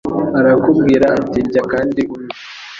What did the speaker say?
arakubwira ati «Rya kandi unywe»